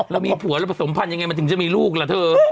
แล้วมีผัวแล้วประสงค์พันธ์ยังไงมันถึงจะมีลูกเหรอเธอ